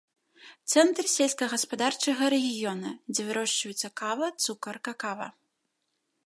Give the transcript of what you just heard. Цэнтр сельскагаспадарчага рэгіёна, дзе вырошчваюцца кава, цукар, какава.